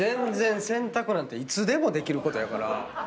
全然洗濯なんていつでもできることやから。